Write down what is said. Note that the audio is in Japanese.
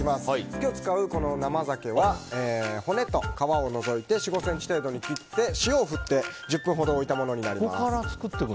今日使う生ザケは骨と皮を除いて４５ｃｍ程度に切って塩を振って１０分ほど置いたものです。